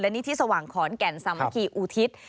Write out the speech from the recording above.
นิธิสว่างขอนแก่นสามัคคีอุทิศ